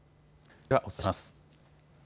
ではお伝えします。